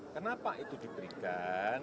kenapa itu diberikan